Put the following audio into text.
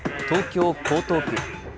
東京江東区。